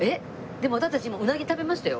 でも私たち今うなぎ食べましたよ。